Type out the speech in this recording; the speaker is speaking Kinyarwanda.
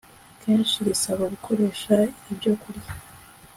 Kenshi risaba gukoresha ibyokurya